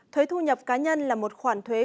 thuế thu nhập cá nhân là một khoản thuế